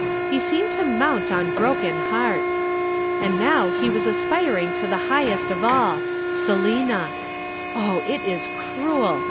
He seemed to mount on broken hearts. And now he was aspiring to the highest of all Selina. Oh it is cruel!